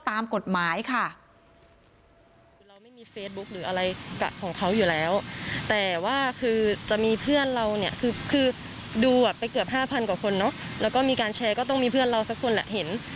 ตามกฎหมายค่ะ